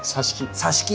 さし木！